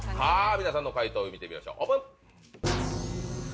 皆さんの解答見てみましょうオープン。